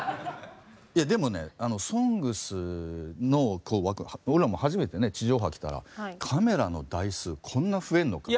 いやでもね「ＳＯＮＧＳ」のこう枠俺らも初めてね地上波来たらカメラの台数こんな増えんのか。